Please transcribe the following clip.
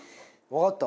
わかった？